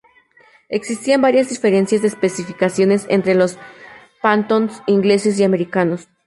Existían varias diferencias de especificaciones entre los Phantoms ingleses y americanos.